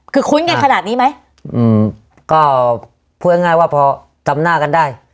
คือคุ้นกันขนาดนี้ไหมอืมก็พูดง่ายง่ายว่าพอจำหน้ากันได้